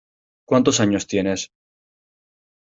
¿Cuántos años tienes?